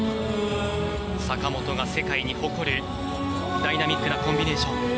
坂本が世界に誇るダイナミックなコンビネーション。